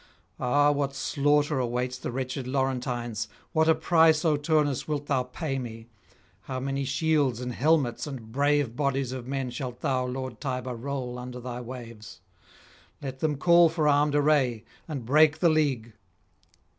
... Ah, what slaughter awaits the wretched Laurentines! what a price, O Turnus, wilt thou pay me! how many shields and helmets and brave bodies of men shalt thou, [540 573]Lord Tiber, roll under thy waves! Let them call for armed array and break the league!'